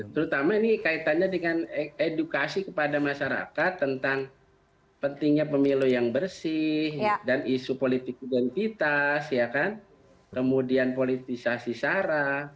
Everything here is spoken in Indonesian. terutama ini kaitannya dengan edukasi kepada masyarakat tentang pentingnya pemilu yang bersih dan isu politik identitas kemudian politisasi sara